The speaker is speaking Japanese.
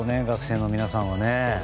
学生の皆さんは。